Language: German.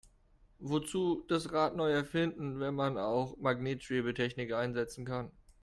Wozu das Rad neu erfinden, wenn man auch Magnetschwebetechnik einsetzen kann?